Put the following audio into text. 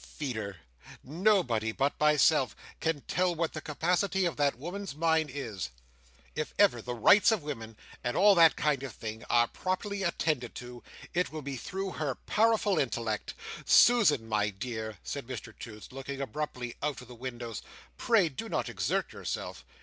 Feeder! Nobody but myself can tell what the capacity of that woman's mind is. If ever the Rights of Women, and all that kind of thing, are properly attended to, it will be through her powerful intellect—Susan, my dear!" said Mr Toots, looking abruptly out of the windows "pray do not exert yourself!"